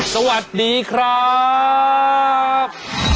สวัสดีครับ